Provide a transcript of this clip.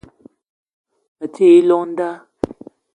Me ti i llong nda